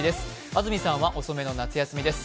安住さんは遅めの夏休みです。